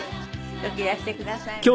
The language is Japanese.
よくいらしてくださいました。